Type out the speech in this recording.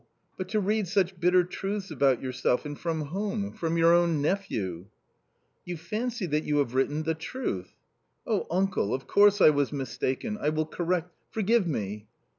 " But to read such bitter truths about yourself — and from whom ? from your own nephew !"" You fancy that you have written the truth ?"" Oh, uncle !— of course, I was mistaken — I will correct — forgive me."